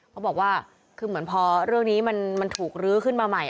เขาบอกว่าคือเหมือนพอเรื่องนี้มันถูกลื้อขึ้นมาใหม่